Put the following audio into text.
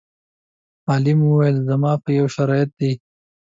عالم وویل: زما یو شرط دی.